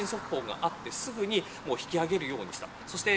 緊急地震速報があって、すぐに引き上げるようにした。